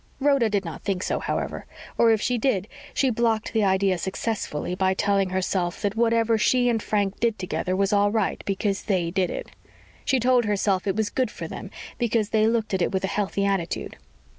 Rhoda did not think so, however; or, if she did, she blocked the idea successfully by telling herself that whatever she and Frank did together was all right because they did it. She told herself it was good for them because they looked at it with a healthy attitude.